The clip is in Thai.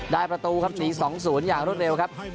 ประตูครับหนี๒๐อย่างรวดเร็วครับ